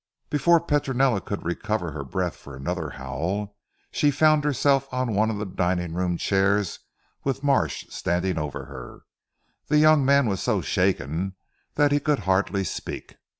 Before Petronella could recover her breath for another howl, she found herself on one of the dining room chairs with Marsh standing over her. The young man was so shaken that he could hardly speak.